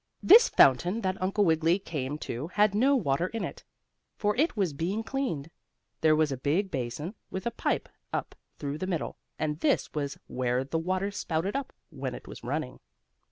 This fountain that Uncle Wiggily came to had no water in it, for it was being cleaned. There was a big basin, with a pipe up through the middle, and this was where the water spouted up when it was running.